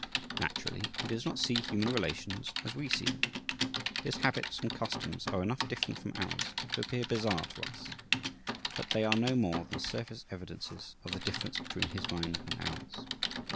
Naturally he does not see human relations as we see them. His habits and customs are enough different from ours to appear bizarre to us; but they are no more than surface evidences of the difference between his mind and ours.